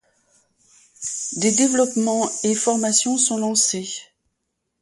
Des développements et formations sont lancés.